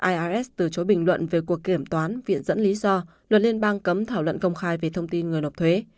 ios từ chối bình luận về cuộc kiểm toán viện dẫn lý do luật liên bang cấm thảo luận công khai về thông tin người nộp thuế